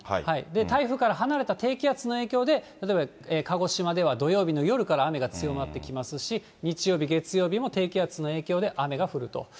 台風から離れた低気圧の影響で、例えば鹿児島では土曜日の夜から雨が強まってきますし、日曜日、月曜日も低気圧の影響で、雨が降ると。